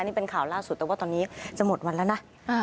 นี่เป็นข่าวล่าสุดแต่ว่าตอนนี้จะหมดวันแล้วนะ